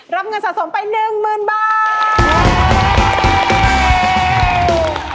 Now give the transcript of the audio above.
รับเงินสะสมไป๑หมื่นบาท